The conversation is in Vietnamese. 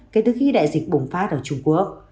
kể từ khi đại dịch bùng phát ở trung quốc